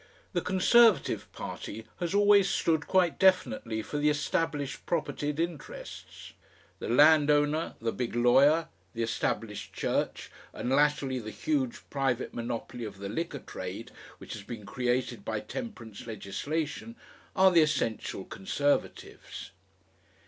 The Conservative Party has always stood quite definitely for the established propertied interests. The land owner, the big lawyer, the Established Church, and latterly the huge private monopoly of the liquor trade which has been created by temperance legislation, are the essential Conservatives.